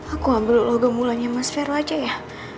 aku ambil logam mulanya mas vero aja ya